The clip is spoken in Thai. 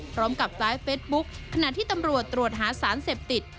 พร้อมกับไลฟ์เฟสบุ๊คขณะที่ตำรวจตรวจหาสารเสพติด